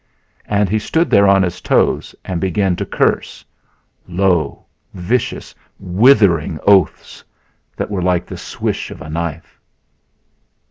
And he stood there on his toes and began to curse low, vicious, withering oaths, that were like the swish of a knife.